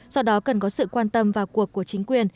do đó cần có sự quan tâm vào cuộc của chính quyền